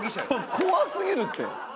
怖すぎるって！